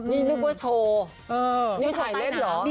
นี่นึกว่าโชว์นึกสมบัติเล่นหรอ